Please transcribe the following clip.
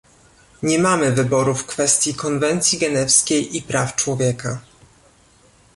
Nie mamy wyboru w kwestii konwencji genewskiej i praw człowieka